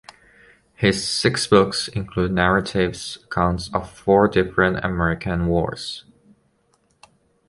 His six books include narrative accounts of four different American wars.